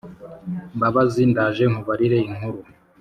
mbabazi , ndaje nkubarire inkuru